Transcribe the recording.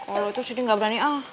kalau itu sindi gak berani